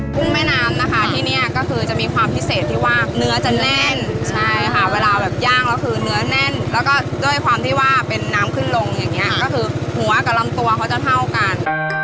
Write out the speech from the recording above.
ุ้งแม่น้ำนะคะที่นี่ก็คือจะมีความพิเศษที่ว่าเนื้อจะแน่นใช่ค่ะเวลาแบบย่างแล้วคือเนื้อแน่นแล้วก็ด้วยความที่ว่าเป็นน้ำขึ้นลงอย่างนี้ก็คือหัวกับลำตัวเขาจะเท่ากัน